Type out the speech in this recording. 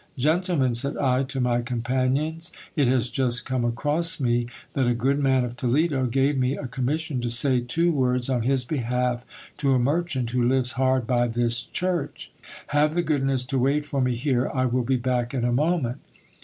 Gentlemen, said I to my companions, it has just come across me that a good man of Toledo gave me a commission to say two words on his behalf to a merchant who lives hard by this church. Have the goodness to wait for me here, I will be back in a moment.